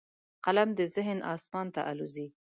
قلم د ذهن اسمان ته الوزي